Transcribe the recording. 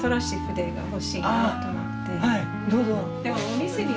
どうぞ。